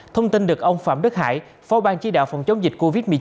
thông tin được ông phạm đức hải phó ban chỉ đạo phòng chống dịch covid một mươi chín